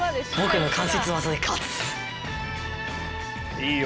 いいよ。